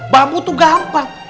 bambu tuh gampang